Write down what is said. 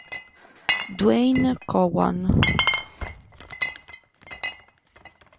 Dwayne Cowan